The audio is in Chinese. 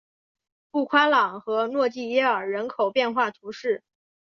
布夸朗和诺济耶尔人口变化图示